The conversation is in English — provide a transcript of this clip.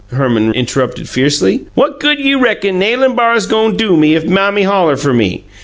Herman interrupted fiercely. "What good you reckon nailin' bars go' do me if Mammy holler fer me?